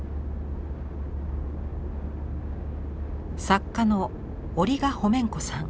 作家のオリガホメンコさん。